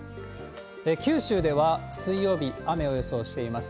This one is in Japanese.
九州では水曜日、雨を予想しています。